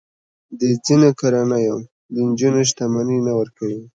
د ځینو کورنیو د نجونو شتمني نه ورکوي.